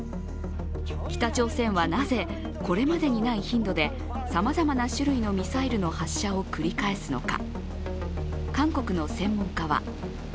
北朝鮮はなぜ、これまでにない頻度でさまざまな種類のミサイルの発射を繰り返すのか。